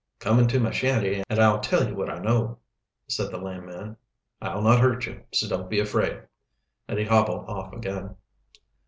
"Come into my shanty and I'll tell you what I know," said the lame man. "I'll not hurt you, so don't be afraid," and he hobbled off again.